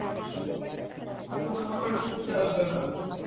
কোনো লোক আর চুদতে আসবে না!